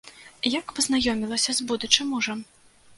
Як пазнаёмілася з будучым мужам?